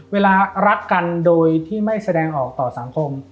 เวลารักกันโดยที่ไม่แสดงออกต่อสังคม